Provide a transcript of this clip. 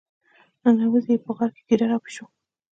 ننوزي یې په غار کې ګیدړ او پيشو.